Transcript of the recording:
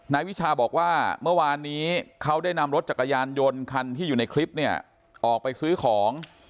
วิชาบอกว่าเมื่อวานนี้เขาได้นำรถจักรยานยนต์คันที่อยู่ในคลิปเนี่ยออกไปซื้อของ